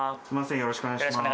よろしくお願いします。